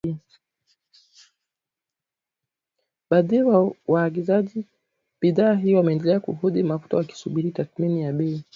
Baadhi ya waagizaji bidhaa hiyo wameendelea kuhodhi mafuta wakisubiri tathmini ya bei